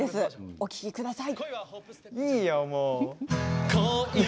お聴きください。